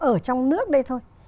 ở trong nước đây thôi